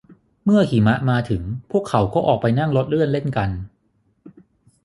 เมื่อหิมะมาถึงพวกเขาก็ออกไปนั่งรถเลื่อนเล่นกัน